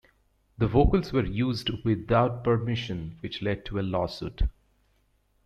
The vocals were used without permission which led to a lawsuit.